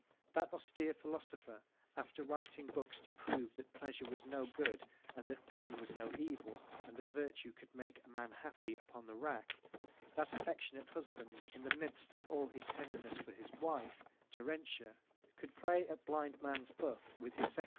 That austere philosopher, afler writing books to prove that pleasure was no good and that pain was no evil and that virtue could make a man happy upon the rack, that affectionate husband, in the midst of all his tenderness for his wife Terentia, could play at blind man' sbuff with his secretary (i.